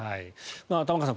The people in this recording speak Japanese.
玉川さん